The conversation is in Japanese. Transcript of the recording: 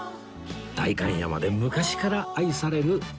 代官山で昔から愛される逸品です